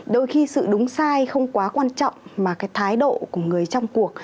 đôi khi sự đúng sai không quá quan trọng mà cái thái độ của người trong cuộc